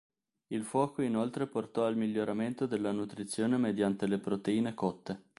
Il fuoco inoltre portò al miglioramento della nutrizione mediante le proteine cotte.